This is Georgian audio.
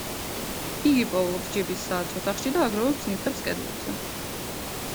იგი პოულობს ჯიბის საათს ოთახში და აგროვებს ნივთებს კედლებზე.